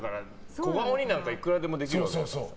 小顔になんかいくらでもできるわけです。